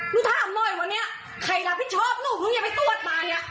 หนูถามหน่อยเหมือนเนี่ยใครรับผิดชอบหนูรู้เนี่ยไม่ตรวจมาเนี่ย